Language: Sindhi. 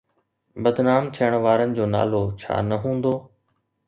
بدنام ٿيڻ وارن جو نالو ڇا نه هوندو؟